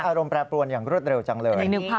อารมณ์แปรปรวนอย่างรวดเร็วจังเลย